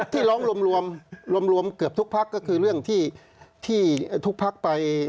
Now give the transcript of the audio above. ที่ร้องรวมรวมเกือบทุกพักก็คือเรื่องที่ทุกพักไป